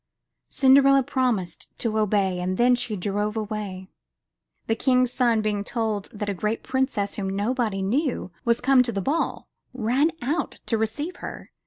Cinderella promised to obey and then she drove away. The King's son, being told that a great princess whom nobody knew was come to the ball, ran out to receive her.